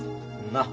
なっ。